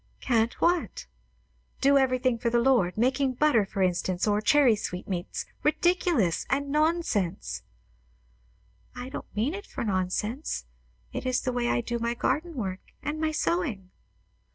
"Can't what?" "Do everything for the Lord. Making butter, for instance; or cherry sweetmeats. Ridiculous! And nonsense." "I don't mean it for nonsense. It is the way I do my garden work and my sewing."